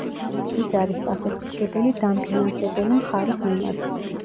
ის არის პასუხისმგებელი დამფინანსებელი მხარის მიმართ.